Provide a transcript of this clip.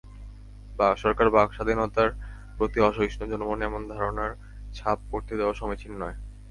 সরকার বাক্স্বাধীনতার প্রতি অসহিষ্ণু—জনমনে এমন ধারণার ছাপ পড়তে দেওয়া সমীচীন নয়।